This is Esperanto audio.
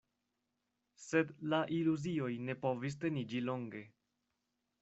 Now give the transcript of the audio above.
Sed la iluzioj ne povis teniĝi longe.